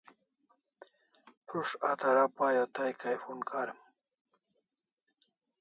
Prus't a Tara Pai o tai Kai phone kam